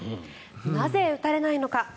なぜ打たれないのか。